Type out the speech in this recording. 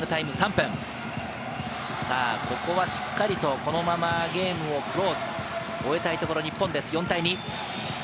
ここはしっかりと、このままゲームをクローズ、終えたいところ、日本です、４対２。